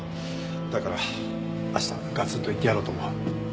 だから明日ガツンと言ってやろうと思う。